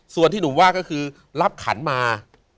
ส่วนที่หนุ่มว่าก็คือรับขันมา